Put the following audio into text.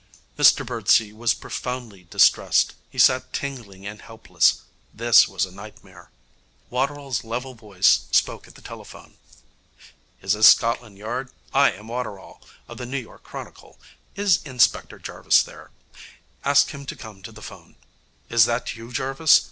Mr Birdsey was profoundly distressed. He sat tingling and helpless. This was a nightmare. Waterall's level voice spoke at the telephone. 'Is this Scotland Yard? I am Waterall, of the New York Chronicle. Is Inspector Jarvis there? Ask him to come to the phone.... Is that you, Jarvis?